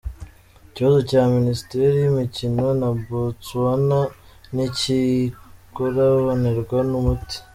Ikibazo cya minisiteri yimikino na Botsuwana ntikirabonerwa umuti